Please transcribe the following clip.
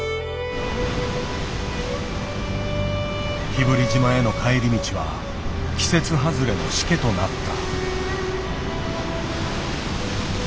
日振島への帰り道は季節外れのしけとなった。